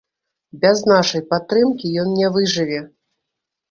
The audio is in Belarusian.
Без нашай падтрымкі ён не выжыве.